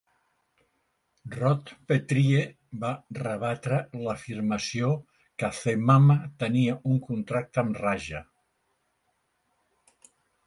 Rod Petrie va rebatre l'afirmació que Zemmama tenia un contracte amb Raja.